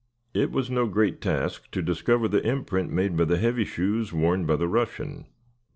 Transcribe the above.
It was no great task to discover the imprint made by the heavy shoes worn by the Russian.